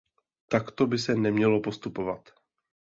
Takto by se nemělo postupovat.